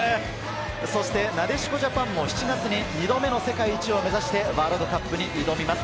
なでしこジャパンも７月に２度目の世界一を目指してワールドカップに挑みます。